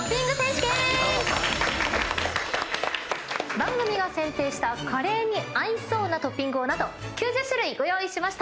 番組が選定したカレーに合いそうなトッピングを何と９０種類ご用意しました。